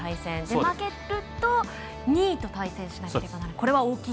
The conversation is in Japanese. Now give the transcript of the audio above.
負けると２位と対戦しなければならない。